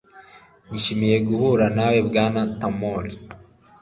Nishimiye guhura nawe, Bwana Tamori.